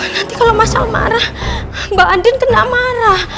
nanti kalau mas al marah mbak andin kena marah